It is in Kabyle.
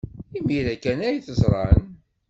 Imir-a kan ay t-ẓran.